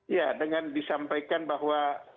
ya dengan disampaikan bahwa